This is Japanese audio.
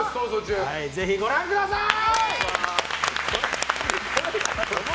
ぜひご覧ください。